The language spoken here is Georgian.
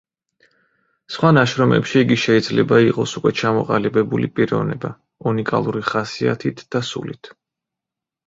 სხვა ნაშრომებში იგი შეიძლება იყოს უკვე ჩამოყალიბებული პიროვნება, უნიკალური ხასიათით და სულით.